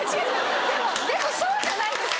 でもでもそうじゃないですか？